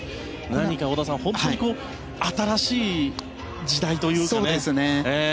何か織田さん、本当に新しい時代というかね。